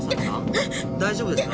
大丈夫ですか？